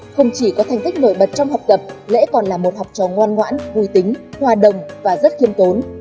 không chỉ có thành tích nổi bật trong học tập lẽ còn là một học trò ngoan ngoãn vui tính hoa đồng và rất kiên tốn